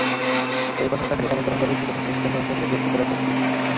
তবে প্রথম দফার নিলামে তরঙ্গ অবিক্রীত থাকলে সেখানে অংশ নিতে পারবে অপারেটরটি।